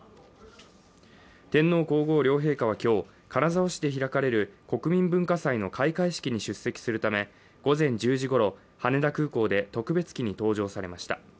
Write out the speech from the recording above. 天皇皇后両陛下は今日、金沢市で開かれる国民文化祭の開会式に出席するため午前１０時ごろ、羽田空港で特別機に搭乗されました。